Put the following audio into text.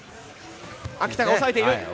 秋田が抑えている。